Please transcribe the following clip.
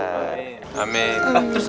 mister pasti bisa ketemu sama ibunya mister